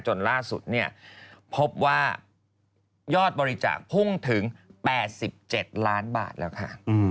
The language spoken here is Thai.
จนล่าสุดพบว่ายอดบริจาคพุ่งถึง๘๗ล้านบาทแล้วค่ะ